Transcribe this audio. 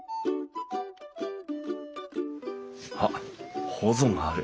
あっほぞがある。